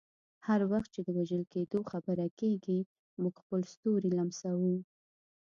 هر وخت چې د وژل کیدو خبره کیږي، موږ خپل ستوري لمسوو.